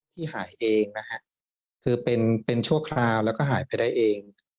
ที่หายเองนะฮะคือเป็นชั่วคราวแล้วก็หายไปได้เอง